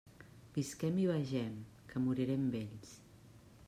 Visquem i vegem, que morirem vells.